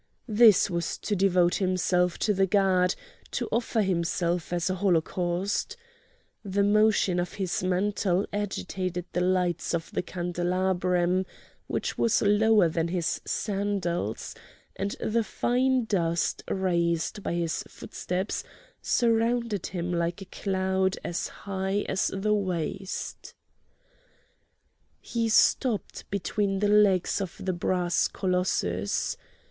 This was to devote himself to the god, to offer himself as a holocaust. The motion of his mantle agitated the lights of the candelabrum, which was lower than his sandals, and the fine dust raised by his footsteps surrounded him like a cloud as high as the waist. He stopped between the legs of the brass colossus.